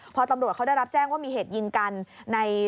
พอตำรวจเขาได้รับแจ้งว่ามีเหตุยิงกันใน